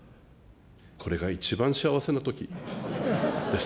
これが一番幸せなときです。